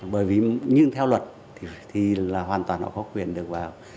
bởi vì nhưng theo luật thì là hoàn toàn họ có quyền được vào